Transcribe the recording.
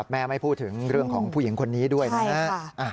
ไม่พูดถึงเรื่องของผู้หญิงคนนี้ด้วยนะฮะ